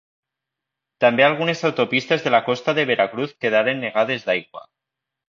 També algunes autopistes de la costa de Veracruz quedaren negades d'aigua.